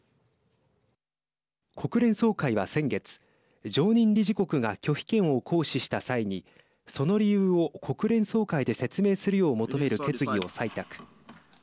国連総会は先月常任理事国が拒否権を行使した際にその理由を国連総会で説明するよう求める決議を採択。